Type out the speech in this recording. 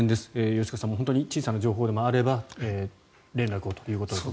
吉川さんも本当に小さな情報でもあれば連絡をということで。